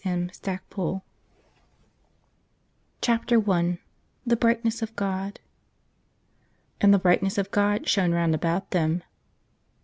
CHARLES BORROMEO CHAPTER I THE BRIGHTNESS OF GOD " And the brightness of God shone round about them."